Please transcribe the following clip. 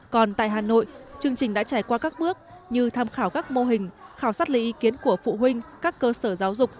còn tại hà nội chương trình đã trải qua các bước như tham khảo các mô hình khảo sát lý ý kiến của phụ huynh các cơ sở giáo dục